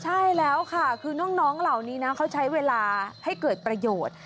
ใช่แล้วค่ะคือน้องเหล่านี้นะเขาใช้เวลาให้เกิดประโยชน์